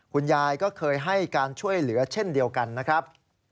คุณยายก็เคยให้การช่วยเหลือเช่นเดียวกันนะครับ